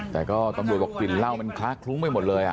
แต่ก็ต้องรู้ว่ากลิ่นเหล้ามันคล้ากลุ้งไปหมดเลยอ่ะ